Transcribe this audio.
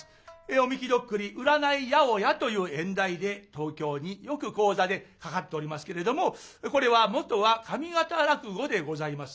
「御神酒徳利」「占い八百屋」という演題で東京によく高座でかかっておりますけれどもこれは元は上方落語でございます。